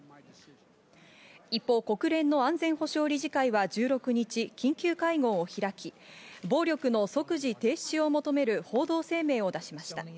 一方、国連の安全保障理事会は１６日、緊急会合を開き、暴力の即時停止を求める報道声明を出しました。